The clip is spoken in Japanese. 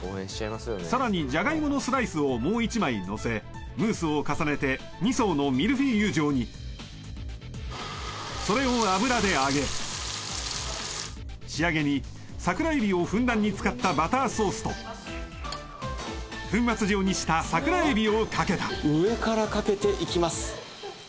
さらにじゃがいものスライスをもう１枚のせムースを重ねて２層のミルフィーユ状にそれを油で揚げ仕上げに桜エビをふんだんに使ったバターソースと粉末状にした桜エビをかけた上からかけていきます